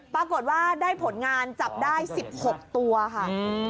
ปรากฏว่าได้ผลงานจับได้๑๖ตัวค่ะ